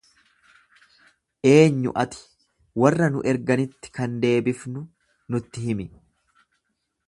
Eenyu ati? Warra nu erganitti kan deebifnu nutti himi.